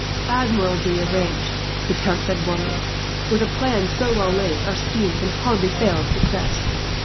"Admirably arranged," the Count said warmly. "With a plan so well laid, our scheme can hardly fail of success.